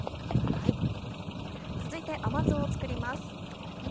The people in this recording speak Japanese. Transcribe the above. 続いて甘酢を作ります。